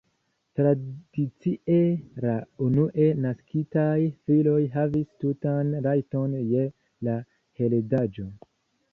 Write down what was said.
Tradicie la unue naskitaj filoj havis tutan rajton je la heredaĵo.